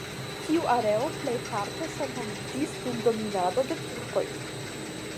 Tiu areo plejparte senhomiĝis dum dominado de turkoj.